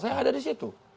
saya ada di situ